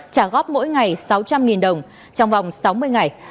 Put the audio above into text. trả góp mỗi ngày sáu trăm linh đồng trong vòng sáu mươi ngày